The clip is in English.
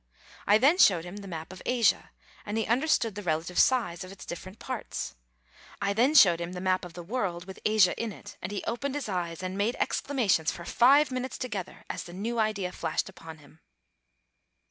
I then showed him the map of Asia, and he understood the relative size of its different parts. I then showed him the map of the world, with Asia in it, and he opened his eyes,, and made exclamations for five minutes together as the new idea flashed upon him.